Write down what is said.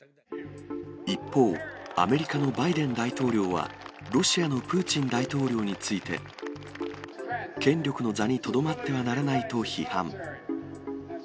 一方、アメリカのバイデン大統領はロシアのプーチン大統領について、権力の座にとどまってはならないと批判。